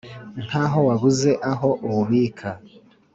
Nk ' aho wabuze aho uwubika